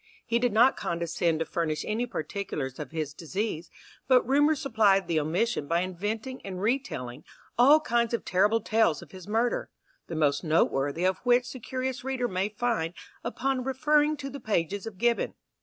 He did not condescend to furnish any particulars of his decease, but rumour supplied the omission by inventing and retailing all kinds of terrible tales of his murder, the most noteworthy of which the curious reader may find upon referring to the pages of Gibbon.